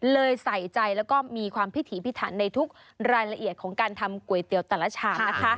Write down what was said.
ใส่ใจแล้วก็มีความพิถีพิถันในทุกรายละเอียดของการทำก๋วยเตี๋ยวแต่ละชามนะคะ